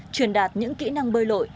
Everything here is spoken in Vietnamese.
truyền đạt những kỹ năng bơi lội